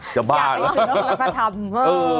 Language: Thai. อย่าไปถึงทอมรัฐธรรม